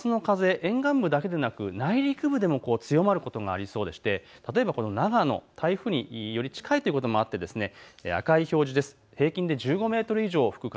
あすの風、沿岸部だけでなく内陸部でも強まることがありそうでして例えば長野、台風により近いということもあって赤い表示です。